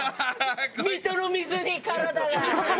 水戸の水に体が！